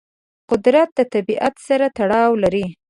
قدرت د طبیعت سره تړاو لري.